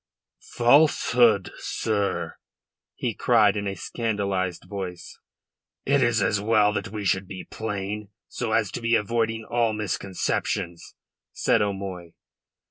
"Falsehood, sir?" he cried in a scandalised voice. "It is as well that we should be plain, so as to be avoiding all misconceptions," said O'Moy.